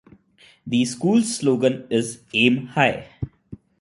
The school's slogan is "Aim High".